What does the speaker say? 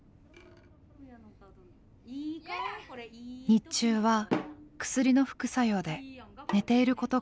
日中は薬の副作用で寝ていることが多い